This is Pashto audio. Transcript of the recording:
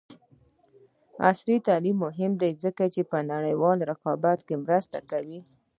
عصري تعلیم مهم دی ځکه چې نړیوال رقابت کې مرسته کوي.